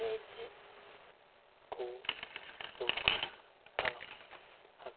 ５６７８。